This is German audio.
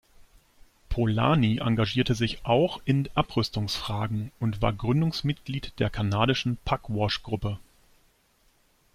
Polanyi engagierte sich auch in Abrüstungsfragen und war Gründungsmitglied der kanadischen Pugwash-Gruppe.